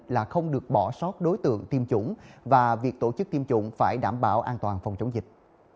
là không được bỏ sót đối tượng tiêm chủng và việc tổ chức tiêm chủng phải đảm bảo an toàn phòng chống dịch